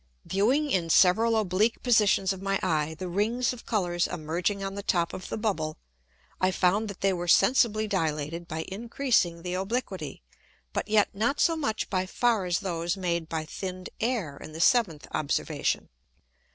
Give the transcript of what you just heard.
Viewing in several oblique Positions of my Eye the Rings of Colours emerging on the top of the Bubble, I found that they were sensibly dilated by increasing the obliquity, but yet not so much by far as those made by thinn'd Air in the seventh Observation.